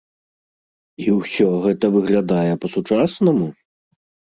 І ўсё гэта выглядае па-сучаснаму!